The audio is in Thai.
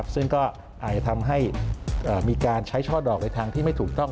ซึ่งก็อาจจะทำให้มีการใช้ช่อดอกในทางที่ไม่ถูกต้อง